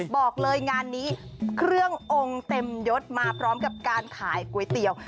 บอกเลยงานนี้เครื่ององค์เต็มยศมาพร้อมกับการขายก๋วยเตี๋ยว